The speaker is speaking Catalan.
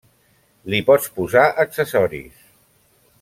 Li pots posar accessoris.